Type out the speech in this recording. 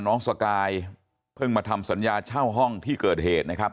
สกายเพิ่งมาทำสัญญาเช่าห้องที่เกิดเหตุนะครับ